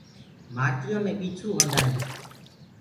مآٽو مي ٻيڇو هوندآ هودآ هينٚ۔